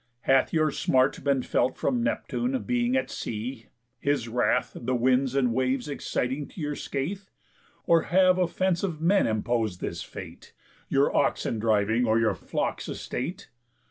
Hath your smart Been felt from Neptune, being at sea—his wrath The winds and waves exciting to your scathe? Or have offensive men impos'd this fate— Your oxen driving, or your flock's estate?